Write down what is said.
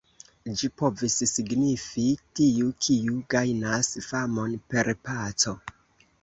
Ĝi povis signifi: "tiu, kiu gajnas famon per paco".